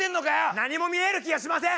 何も見える気がしません！